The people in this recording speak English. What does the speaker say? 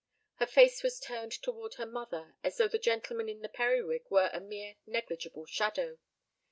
Her face was turned toward her mother, as though the gentleman in the periwig were a mere negligible shadow.